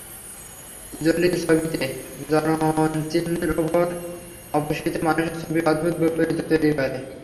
জলির ছবিতে জননচিহ্নের ওপর অপসৃত মানুষের ছবি অদ্ভুত বৈপরীত্য তৈরি করে।